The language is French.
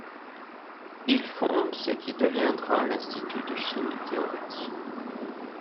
Il fonde ce qui deviendra l'Institut de Chimie Théorique.